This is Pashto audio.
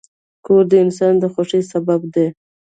کور د انسان د خوښۍ سبب دی.